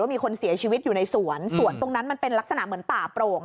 มีคนเสียชีวิตอยู่ในสวนสวนตรงนั้นมันเป็นลักษณะเหมือนป่าโปร่ง